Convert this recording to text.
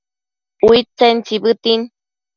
Uidtsen tsibëtin